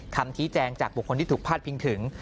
คำชี้แจงจากบุคคลที่ถูกพาดพิงถึง